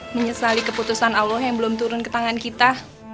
menyesali keputusan allah yang belum turun ke tangan kita